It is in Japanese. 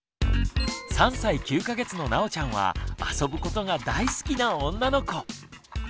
３歳９か月のなおちゃんは遊ぶことが大好きな女の子。